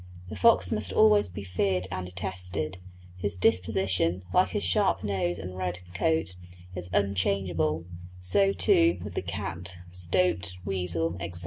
The fox must always be feared and detested; his disposition, like his sharp nose and red coat, is unchangeable; so, too, with the cat, stoat, weasel, etc.